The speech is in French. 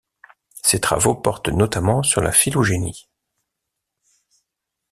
Ses travaux portent notamment sur la phylogénie.